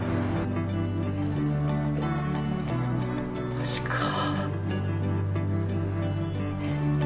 マジかあ。